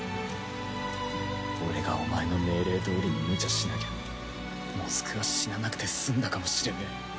俺がお前の命令どおりにむちゃしなきゃモズクは死ななくて済んだかもしれねえ。